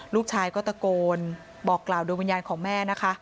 ลูกชายก็ตะโกนบอกกล่าวโดยวิญญาณของแม่นะคะ